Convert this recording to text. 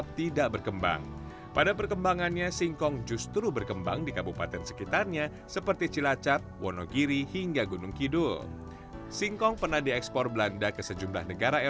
mendapat banyak pengaruh dari tionghoa belanda dan indonesia